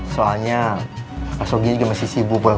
soalnya pak sogi juga masih sibuk ya